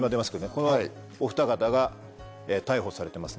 このおふた方が逮捕されてます。